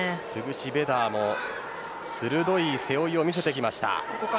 ベダーも鋭い背負いを見せてきました。